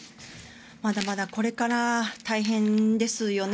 まだまだこれから大変ですよね。